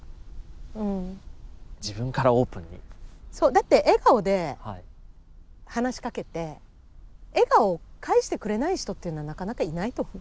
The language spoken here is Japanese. だって笑顔で話しかけて笑顔を返してくれない人っていうのはなかなかいないと思う。